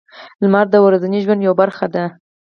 • لمر د ورځني ژوند یوه برخه ده.